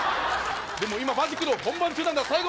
でも今マジックの本番中なんだ